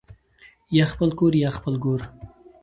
ـ يا خپل کور يا خپل ګور.